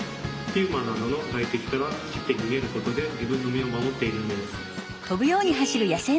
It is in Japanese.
ピューマなどの外敵から走って逃げることで自分の身を守っているんです。